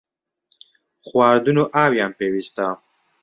خواردن و ئاویان پێویستە.